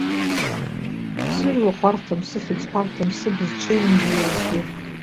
Сыжәла хәарҭам, сыхьӡ хәарҭам, сыбз ҽеим дара рзгьы.